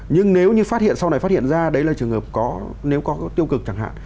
nhưng nếu như sau này phát hiện ra đấy là trường hợp có nếu có tiêu cực chẳng hạn